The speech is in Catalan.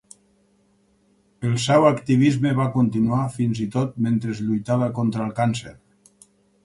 El seu activisme va continuar fins i tot mentre lluitava contra el càncer.